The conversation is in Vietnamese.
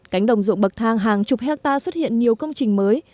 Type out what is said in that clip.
cánh đồng ruộng bậc thang hàng chục hectare xuất hiện nhiều công trình mới